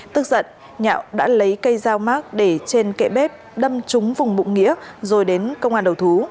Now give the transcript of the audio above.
tức giận nhạo đã lấy cây dao mát để trên kệ bếp đâm trúng vùng bụng nghĩa rồi đến công an đầu thú